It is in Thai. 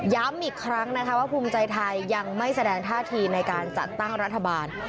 ย้ำอีกครั้งนะคะว่าภูมิใจไทยยังไม่แสดงท่าทีในการจัดตั้งรัฐบาล